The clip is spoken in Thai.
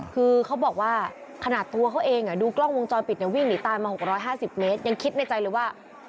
คือเขาบอกว่าขนาดตัวเขาเองดูกล้องวงจรปิดวิ่งหนีตายมา๖๕๐เมตรยังคิดในใจเลยว่า